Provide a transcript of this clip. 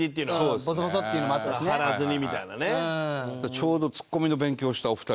ちょうどツッコミの勉強をしたお二人です。